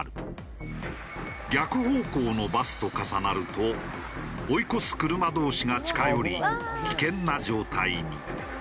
逆方向のバスと重なると追い越す車同士が近寄り危険な状態に。